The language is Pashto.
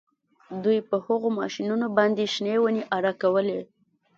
دوی په هغو ماشینونو باندې شنې ونې اره کولې